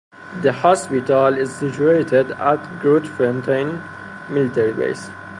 The Hospital is situated at the Grootfontein Military Base.